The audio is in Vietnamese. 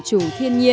chủ thiên nhiên